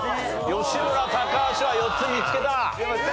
吉村高橋は４つ見つけた。